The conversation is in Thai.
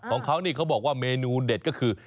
ของเขานี่เขาบอกว่าเมนูเด็ดก็คือ